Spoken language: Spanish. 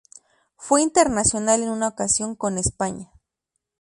Fue internacional en una ocasión con España.